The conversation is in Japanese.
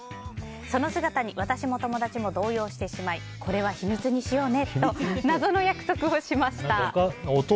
その姿に私も友達も動揺してしまいこれは秘密にしようねと謎の約束をしました。